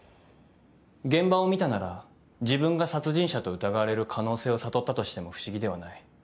現場を見たなら自分が殺人者と疑われる可能性を悟ったとしても不思議ではない。